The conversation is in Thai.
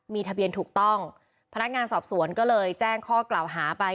มีทะเบียนถูกต้องพนักงานสอบสวนก็เลยแจ้งข้อกล่าวหาไป